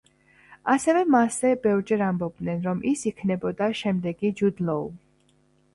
ასევე მასზე ბევრჯერ ამბობდნენ, რომ ის იქნებოდა შემდეგი ჯუდ ლოუ.